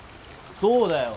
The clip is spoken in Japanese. そうだよ。